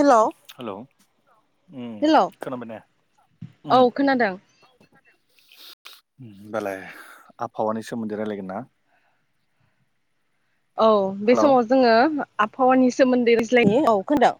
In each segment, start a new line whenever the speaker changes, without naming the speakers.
Hello
hello उम
hello
खोनाबाय ने
औ खोनादों
होमबालाय आबहावानि सोमोन्दै रायलायगोन ना
औ बे
हेलौ
समाव जोङो आबहावानि सोमोन्दै रायज्लायनि औ खोन्थादों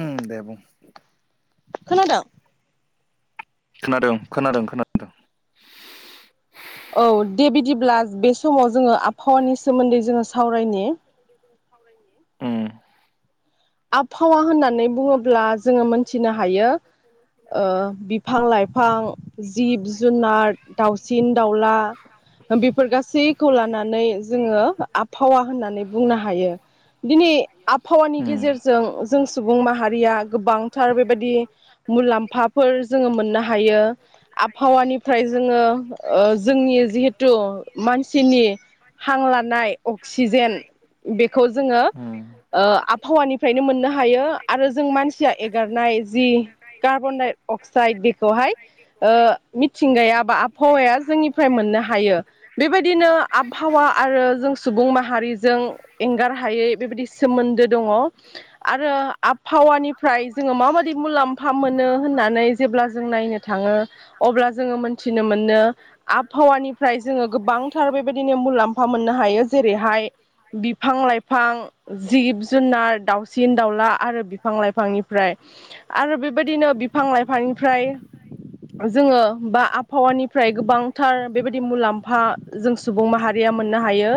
उम दे बुं
खोनादों
खोनादों खोनादों खोनादों
औ दे बिदिब्ला बेस समाव जोङो आबहावानि सोमोन्दै जोङो सावरायनि
उम
आबहावा होननानै बुङोब्ला जोङो मोनथिनो हायो ओ बिफां लाइफां जिब जुनार दाउसिन दाउला बेफोर गासैखौ बो लानानै जोङो आबहावा होननानै बुंनो हायो दिनै आबहावानि
उम
गेजेरज जों जों सुबुं माहारिया गोबांथार बेबायदि मुलाम्फाफोर जोङो मोननो हायो आबहावानिफ्राय जोङो जोंनि जिहेथु मानस सिनि हां लानाय अक्सिजेन बेखौ जोङो
उम
ओ आबहावानि फ्रायनो मोननो हायो आरो जों मानसिया एगारनाय जि कार्बन डाइ अक्साइड बेखौहाय ओ मिथिंगाया बा आबहावाया जोंनिफ्राय मोननो हायो बेबायदिनो आबहावा आरो जों सुबुं माहारिजों एंगार हायै बेबायदि सोमोन्दो दङ। आरो आबहावानिफ्राय जोङो माबायदि मुलाम्फा मोनो होननानै जेब्ला जों नायनो थाङो अब्ला जोङो मोनथिनो मोनो आबहावानिफ्राय जोङो गोबां। थार बेबायदिनो मुलाम्फा मोननो हायो जेरैहाय बिफां लाइफां जिब जुनार। दाउसिन दाउला आरो बिफां लाइफांनिफ्राय आरो बेबायदिनो बिफां लाइफांनिफ्राय जोङो बा आबहावानिफ्राय गोबांथार बेबायदि मुलाम्फा जों। सुबुं माहारिया मोननो हायो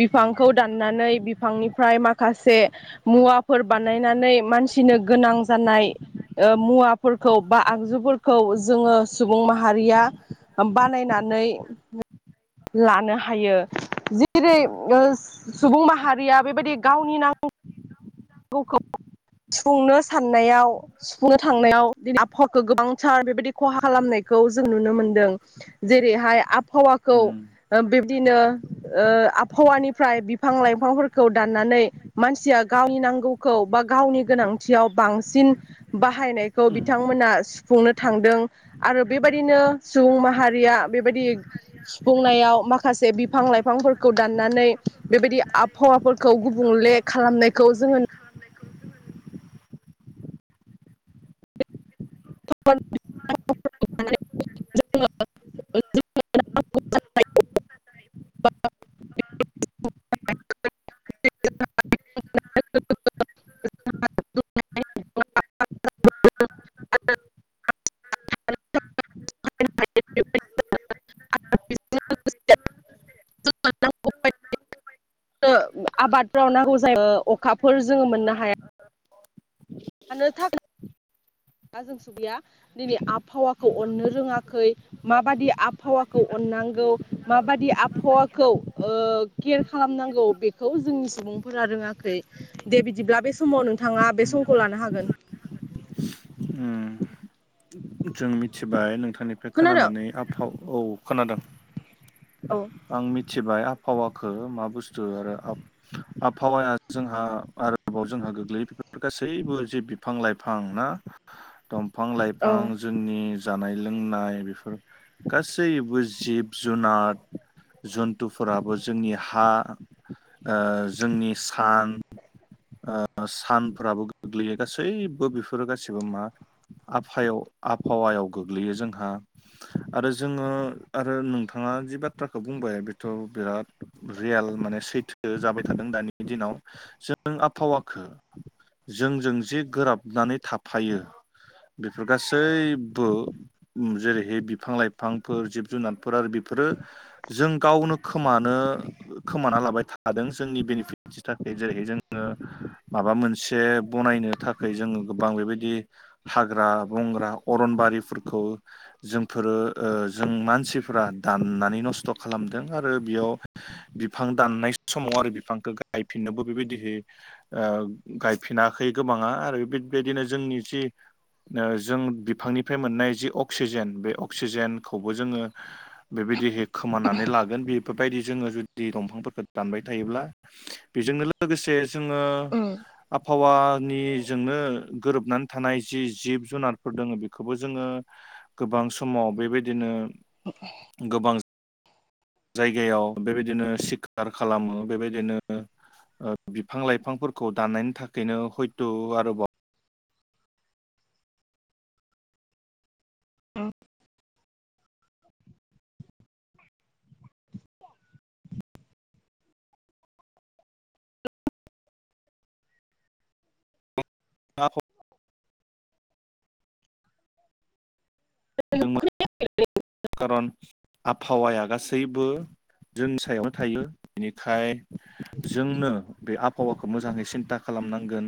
बिफांखौ दाननानै बिफांनिफ्राय माखासे। से। मुवाफोर बानायनानै मानसिनो गोनां जानाय उ मुवाफोरखौ बा आगजुफोरखौ जोङो सुबुं माहारिया बानायनानै लानो हायो जेरै सुबुं माहारिया बेबायदि गावनि नांगौ। [unintelligible] सुफुंनो साननायाव सुफुंनो थांनायाव आबहावाखौ गोबांथार बेबायदि खहा खालामनायखौ जों नुनो मोनदों जेरैहाय आब। फावाखौ
उम
बे। बिदिनो आबहावानिफ्राय बिफां लाइफांफोरखौ दाननानै मानसिया गावनि नांगौखौ बा। गावनि गोनांथियाव बांसिन बाहायनायखौ
उम
बिथांमोना सुफुंनो थांदों आरो बेबायदिनो सुबुं माहारिया बेबायदि सुफुंनायाव माखासे बिफां लाइफांफोरखौ दाननानै बेबायदि आबहावाफोरखौ गुबुंले खालामनायखौ जोङो। [unintelligible] [unintelligible] [unintelligible] जोंनो नांगौ।
जोंनो नांगौ बादियै।
आबादफोराव नांगौ जायो अखाफोर जोङो मोननो हाया। मानो थाबनो। दा जों सुबैया दिनै आबहावाखौ अननो रोङाखै माबादि आबहावाखौ अननांगौ माबादि आबहावाखौ केयार खालामनांगौ बेखौ जोंनि सुबुंफोरा रोङाखै दे बिदिब्ला बे समाव नोंथाङा बे सम। खौ लानो हागोन।
उम जों मिथिबाय नोंथां। आंनिफ्राय
खोनादों
खोनानानै आबहाव औ खोनादों।
औ
आं मिथिबाय। आबहावाखौ मा बुस्थु आरो आबहावाया जोंहा आरोबाव जोंहा गोग्लैयो बेफोर गासैबो जे बिफां लाइफां ना दंफां
औ
आं जोंनि जानाय लोंनाय बेफोर गासै जिब जुनाद जन्थुफोराबो जोंनि हा ओ जोंनि सान ओ सानफोराबो गोग्लैयो गासैबो बेफोरो गासैबो मा फायाव आबहावायाव गोग्लैयो जोंहा आरो जोङो आरो नोंथाङा जि बाथ्राखौ बुंबाय बेथ' बिराद रियेल माने सैथो जाबाय थादों दानि दिनाव जों आबहावाखो जोंजों जे गोराबनानै थाफायो बेफोर गासैबो जेरैहाय बिफां लाइफांफोर, जिब जुनारफोर आरो बेफोरो जों गावनो खोमानो खोमाना लाबाय थादों जोंनि बेनिफिटनि थाखाय जेरैहाय जोङो माबा मोनसे बनायनो थाखाय जोङो गोबां बेबायदि हा ग्रा बंग्रा अरनबारिफोरखौ जोंफोरो ओ जों मानसिफोरा दाननानै नस्थ' खालामदों आरो बेयाव बिफां दाननाय समाव आरो बिफांखौ गायफिननोबो बेबायदिहै ओ गायफिनाखै गोबाङा आरो बेबायदिनो जोंनि जि ओ जों बिफांनिफ्राय मोननाय जि अक्सिजेन बे अक्सिजेनखौ बो जोङो बेबायदिहै खोमानानै लागोन बेफोरबायदि जोङो जुदि दंफांफोरखौ दानबाय थायोब्ला बेजोंनो लोगोसे जोङो
उम
आबहावा नि जोंनो गोरोबनानै थानाय जि जिब जुनारफोर दोङो बेखौबो जोङो गोबां समाव बेबायदिनो गोबां जायगायाव बेबायदिनो सिखार खालामो बेबायदिनो ओ बिफां लाइफांफोरखौ दानायनायनि थाखायनो हयथ' आरोबाव
उम।
[unintelligible]
[unintelligible]
खारन आबहावाया गासैबो जोंनि सायावनो थायो बेनिखाय जोंनो बे आबहावाखौ मोजाङै सिन्था खालामनांगोन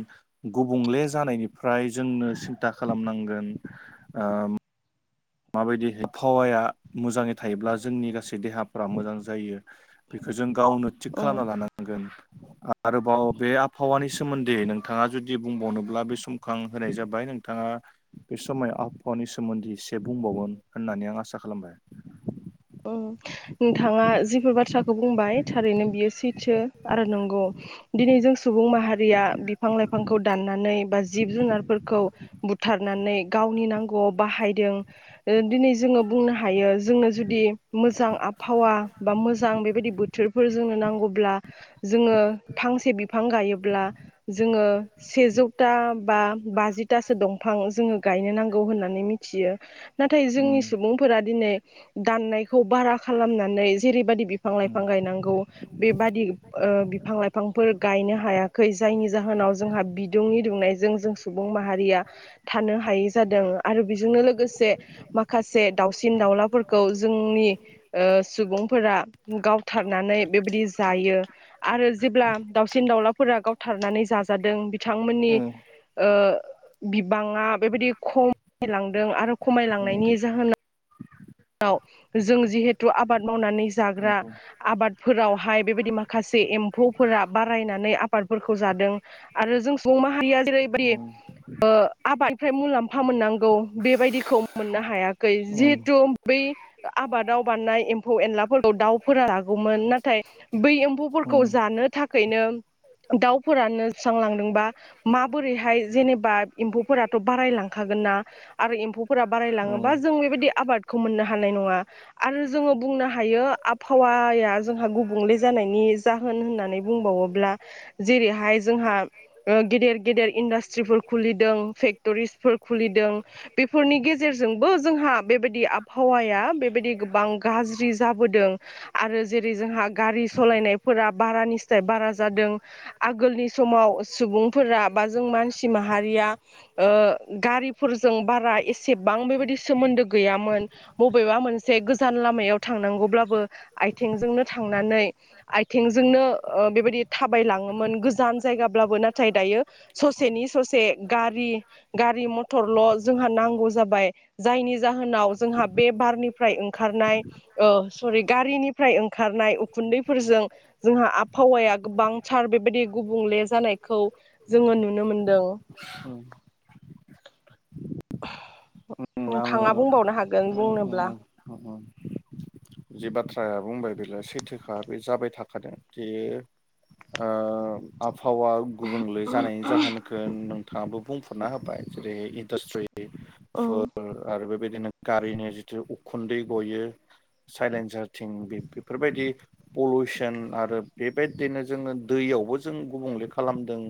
गुबुंले जानायनिफ्राय जोंनो सिन्था खालामनांगोन ओ माबायदिहै आबहावाया मोजाङै थायोब्ला जोंनि गासै देहाफोरा मोजां जायो बेखौ जों गावनो थिग
उम
खालामना लानांगोन। आरोबाव बे आबहावानि सोमोन्दै नोंथाङा जुदि बुंबावनोब्ला बे समखो आं होनाय जाबाय नोंथाङा बे समाव आबहावानि सोमोन्दै इसे बुंबावगोन होननानै आं आसा खालामबाय।
उम नोंथाङा जिफोर बाथ्राखौ बुंबाय थारैनो बियो सैथो आरो नंगौ दिनै जों सुबुं माहारिया बिफां लाइफांखौ दाननानै बा जिब जुनारफोरखौ बुथारनानै गावनि नांगौआव बाहायदों ओ दिनै जोङो बुंनो हायो जोंनो जुदि मोजां आबहावा बा मोजां बेबायदि बोथोरफोर जोंनो नांगौब्ला जोङो फांसे बिफां गायोब्ला जोङो सेजौथा बा बाजिथासो दंफां जोङो गायनो नांगौ होननानै मिथियो। नाथाय जोंनि
उम
सुबुंफोरा दिनै दाननायखौ बारा खालामनानै जेरैबादि बिफां लाइफां गायनांगौ बेबादि ओ बिफां लाइफांफोर गायनो हायाखै जायनि जाहोनाव जोंहा बिदुंनि दुंनायजों जों सुबुं माहारिया थानो हायै जादों आरो बेजोंनो लोगोसे माखासे दाउसिन दाउलाफोर खौ जोंनि ओ सुबुंफोरा गावथारनानै बेबायदि जायो आरो जेब्ला दाउसिन दाउलाफोरा गावथारनानै जाजादों बिथांमोननि
उम
बिबाङा बेबायदि खमायलांदों आरो खमायलांनायनि
उम
जाहोनाव जों जिहेथु आबाद मावनानै जाग्रा
उम
आबादफोरावहाय बेबायदि माखासे एम्फौफोरा बारायनानै आबादफोरखौ जादों आरो जों सुबुं माहारिया जेरैबायदि
उम
ओ आबादनिफ्राय मुलाम्फा मोननांगौ बेबायदिखौ मोननो हायाखै
उम
जिहेथु बै आबादाव बारनाय एम्फौ एनलाफोरखौ दाउफोरा जागौमोन नाथाय बै एम्फौ फोरखौ जानो थाखाय नो दाउफोरानो जोस्रांलांदोंबा माबोरैहाय जेनेबा एम्फौफोराथ' बारायलांखागोन ना आरो एम्फौफोरा
उम
बारायलाङोबा जों बेबायदि आबाद खौ मोननो हानाय नङा आरो जोङो बुंनो हायो आबहावाया जोंहा गुबुंले जानायनि जाहोन होननानै बुंबावोब्ला जेरैहाय जोंहा ओ गेदेर गेदेर इन्डास्ट्रिफोर खुलिदों फेक्टरिसफोर खुलिदों बेफोरनि गेजेरजोंबो जोंहा बेबायदि आबहावाया बेबायदि गोबां गाज्रि जाबोदों आरो जेरै जोंहा गारि सालायनायफोरा बारानिसाय बारा जादों आगोलनि समाव सुबुंफोरा बा जों मानसि माहारिया ओ गारिफोरजों बारा एसेबां बेबायदि सोमोन्दो गैयामोन। बबेबा मोनसे गोजान लामायाव थांनांगौब्लाबो आइथेंजोंनो थांनानै आइथेंजोंनो ओ बेबायदि थाबाय लाङोमोन गोजान जायगाब्लाबो नाथाय दायो ससेनि ससे गारि गारि मथरल' जोंहा नांगौ जाबाय जायनि जाहोनाव जोंहा बे बारनिफ्राय ओंखारनाय ओ सरि गारिनिफ्राय ओंखारनाय उखुन्दैफोरजों जोंहा आब हावाया गोबांथार बेबायदि गुबुंले जानाय खौ जोङो नुनो मोनदों
उम
[inaudible]
उम आङो
नोंथाङा बुंबावनो हागोन [unintelligible]
उम
बुंनोब्ला
उम उम उम जि बाथ्राया बुंबाय बेलाय सैथोखा बे जाबाय थाखादों बे ओ आब हावा गुबुंले जानायनि जाहोनखो नों थाङाबो बुंफोररना होबाय जेरै इनदास्ट्रि फोर आरो बेबायदि दिनो गारिनि जिथु उखुन्दै गयो। साइलेन्सारथिं बे बेफोरबायदि पलिउसन आरो बेबायदिनो जोङो दैयावबो जों गुबुंले खालामदों।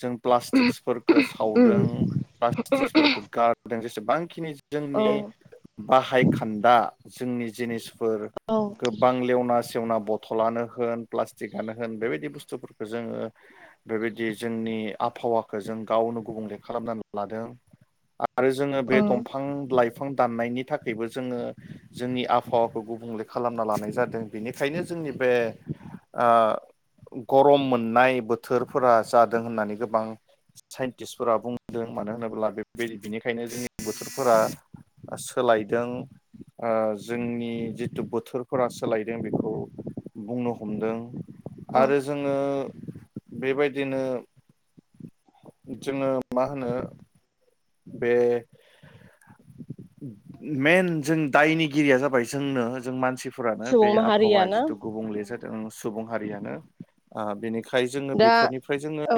जों प्लास्टिक्सफोरखौ सावदों प्लास्टिक्सफोरफोरखौ गारदों जेसेबां बांखिनि जोंनि बाहाय खान्दा। जोंनि जिनिस। फोर
औ
गोबां लेवना सेवना बथलानो होन प्लास्टिकआनो होन बेबायदि बुस्थुफोरखौ जोङो बेबायदि जोंनि आबहावाखौ जों गावनो गुबुंले खालामनानै लादों। आरो जोङो बे दंफां लाइफ फां दाननायनि थाखायबो जोङो जोंनि आफ आबहावाखौ गुबुंले खालामना लानाय जादों बेनिखायनो जोंनि बे ओ गरम मोननाय बोथोरफोरा जादों होननानै गोबां साइन्टिस्टफोरा बुंदों मानो होनोब्ला बेबायदि बिनिखायनो जोंनि बोथोरफोरा सोलायदों ओ जोंनि जिथु बोथोरफोरा सोलायदों बेखौ बुंनो हमदों।
औ
आरो जोङो बेबायदिनो जोङो मा होनो बे मेन जों दायनिगिरिया जाबाय जोंनो जों मानसि फोरानो बे
सुबुं माहारिया
आबहावाया
ना
जिथु गुबुंलेे जादों सुबुं हारियानो बेनि थाखाय जोङो
दा
बेफोरनिफ्राय जोङो।
औ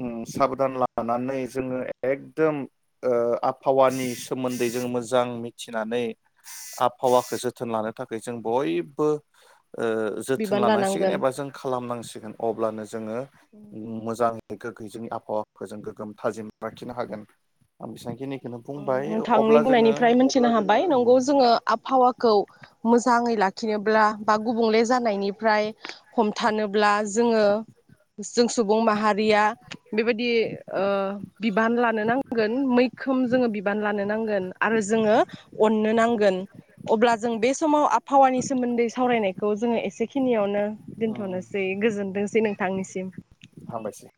ओ साबधान लानानै जोङो एकदम ओ आबहावानि सोमोन्दै जोङो मोजां मिथिनानै आबहावाखो जोथोन लानो थाखाय जों बयबो ओ जोथोन
बिबान
लानांसिगोन
लानांगोन
एबा जों खालामनां सिगोन अब्लानो जोङो मोजां गोगगोगयै जोंनि आहावाफोरजों गोगोम थाजिम लाखिनो हागोन आं बेसेखिनि
ओ नोंथांनि बुंनायनिफ्राय मिथिनो हाबाय नंगौ जोङो आबहावाखौ मोजाङै लाख खिनोब्ला बा गुबुंले जानायनिफ्राय हमथानोब्ला जोङो जों सुबुं माहारिया बेबायदि ओ बिबान लानो नांगोन मैखो अननो नांगोन अब्ला जों बे समाव आ पावानि सोमोन्दै सावरायनायखौ जोङो जों एसेखिनियावनो
उम
दोनथ'नोसै गोजोनथोंसै नों थांनिसिम।
हामबायसै।